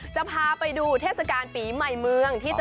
จะพาไปดูเทศกาลปีใหม่เมือง